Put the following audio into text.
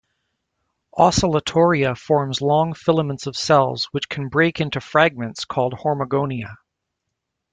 "Oscillatoria" forms long filaments of cells which can break into fragments called hormogonia.